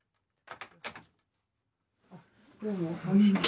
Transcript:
どうもこんにちは。